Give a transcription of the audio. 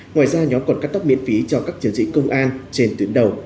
ngoài ra nhóm còn cắt tóc miễn phí cho các chiến sĩ công an trên tuyến đầu